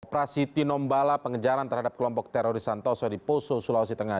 operasi tinombala pengejaran terhadap kelompok teroris santoso di poso sulawesi tengah